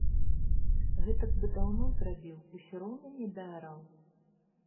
Гэтак бы даўно зрабіў, усё роўна не даараў?